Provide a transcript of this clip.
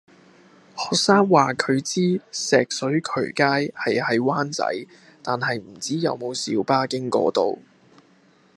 學生話佢知石水渠街係喺灣仔，但係唔知有冇小巴經嗰度